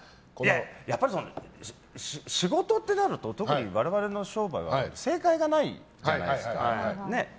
やっぱり仕事となると特に我々の商売は正解がないじゃないですか。